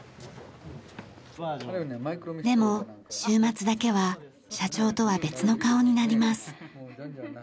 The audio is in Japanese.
でも週末だけは社長とは別の顔になります。